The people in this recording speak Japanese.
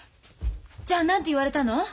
じゃあ何て言われたの？